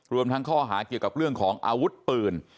รวมทั้งข้อหาเกี่ยวกับเรื่องของอาวุธปืน